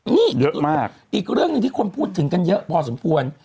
นี่อีกเรื่องหนึ่งที่คุณพูดถึงกันเยอะพอสมควร